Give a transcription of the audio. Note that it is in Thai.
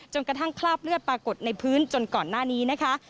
กระทั่งคราบเลือดปรากฏในพื้นจนก่อนหน้านี้นะคะ